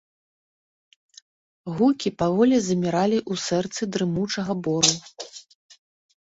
Гукі паволі заміралі ў сэрцы дрымучага бору.